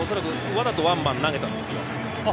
わざとワンバンを投げたんですよ。